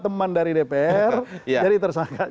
teman dari dpr jadi tersangka